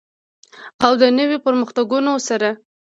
او د نویو پرمختګونو سره.